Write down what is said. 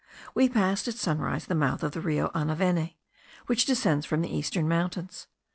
We passed at sunrise the mouth of the Rio Anaveni, which descends from the eastern mountains.